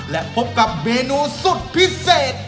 และพบกับเมนูสุดพิเศษ